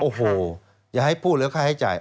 โอ้โหอย่าให้พูดเรื่องค่าใช้จ่าย